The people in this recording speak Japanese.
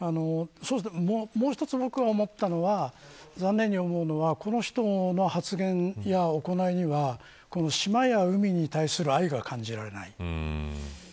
もう一つ、僕が思ったのは残念に思うのはこの人の発言や行いには島や海に対する愛が感じられない。